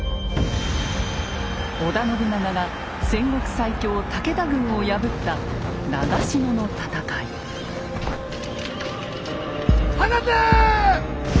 織田信長が戦国最強・武田軍を破った放て！